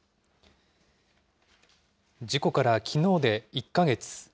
事故からきのうで１か月。